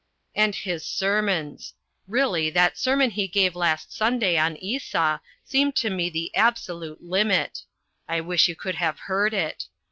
And his sermons! Really that sermon he gave last Sunday on Esau seemed to me the absolute limit. I wish you could have heard it.